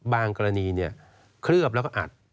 บางกรณีเนี่ยเคลือบแล้วก็อัด